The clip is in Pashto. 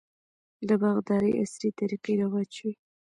د باغدارۍ عصري طریقې رواج شوي.